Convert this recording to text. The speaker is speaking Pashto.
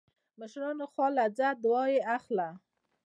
د مشرانو خوا له ځه او دعا يې اخله